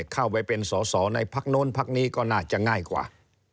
เข้าไปเป็นสอสอในพักโน้นพักนี้ก็น่าจะง่ายกว่า